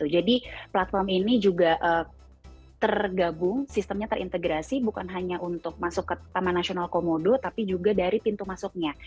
jadi platform ini juga tergabung sistemnya terintegrasi bukan hanya untuk masuk ke taman nasional komodo tapi juga dari pintu masuknya